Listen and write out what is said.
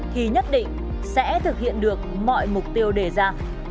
thì nhất định sẽ thực hiện được mọi mục tiêu đề ra